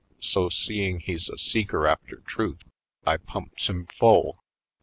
So, seeing he's a seeker after truth, I pumps him full.